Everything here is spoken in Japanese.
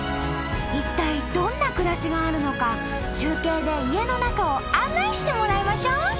一体どんな暮らしがあるのか中継で家の中を案内してもらいましょう！